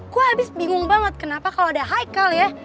gue abis bingung banget kenapa kalau ada haikal ya